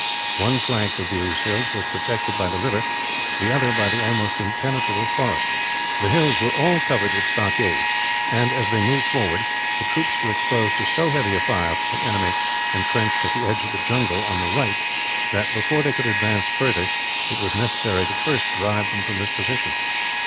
One flank of these hills was protected by the river, the other by the almost impenetrable forest. The hills were all covered with stockades and, as they moved forward, the troops were exposed to so heavy a fire from an enemy entrenched at the edge of the jungle on the right that, before they could advance further, it was necessary to first drive them from this position.